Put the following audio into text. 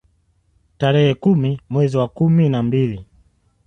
Tarehe kumi mwezi wa kumi na mbili